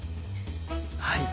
はい。